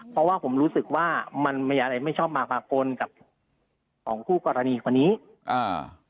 เพราะว่าผมรู้สึกว่ามันมีอะไรไม่ชอบมาภากลกับของคู่กรณีคนนี้อ่า